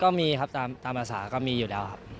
ก็มีครับตามภาษาก็มีอยู่แล้วครับ